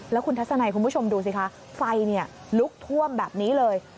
แล้วคุณทัศนัยคุณผู้ชมดูสิคะไฟลุกท่วมแบบนี้เลย